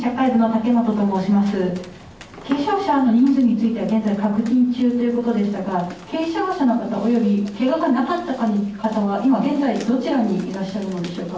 負傷者については現在確認中ということでしたが、軽傷者の方およびけががなかった方は今現在、どちらにいらっしゃるのでしょうか？